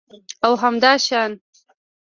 او همداشان